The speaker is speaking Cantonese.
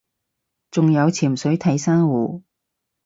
仲有潛水睇珊瑚